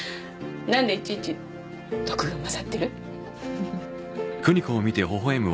なんでいちいち毒が混ざってる？